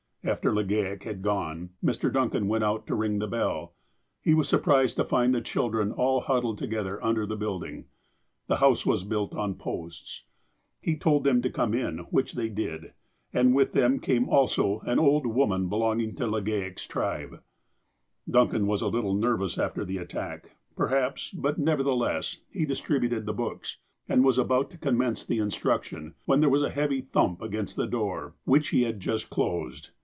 After Legale had gone, Mr. Duncan went out to ring the bell. He was surprised to find the children all hud dled together under the building. (The house was built on posts.) He told them to come in, which they did. And with them came also an old woman belonging to Legale' s tribe. Duncan was a little nervous after the attack, perhaps, but nevertheless he distributed the books, and was about to commence the instruction, when there was a heavy thump against the door, which he had just closed.